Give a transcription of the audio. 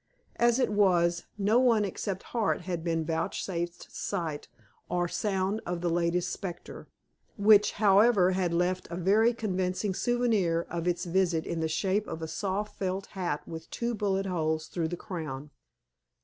As it was, no one except Hart had been vouchsafed sight or sound of the latest specter, which, however, had left a very convincing souvenir of its visit in the shape of a soft felt hat with two bullet holes through the crown.